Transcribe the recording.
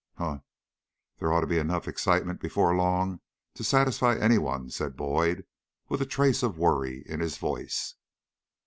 "Humph! There ought to be enough excitement before long to satisfy any one," said Boyd, with a trace of worry in his voice.